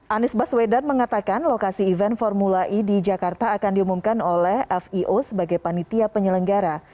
anies baswedan mengatakan lokasi event formula e di jakarta akan diumumkan oleh fio sebagai panitia penyelenggara